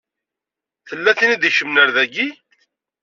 Tella tin i d-ikecmen ar daki.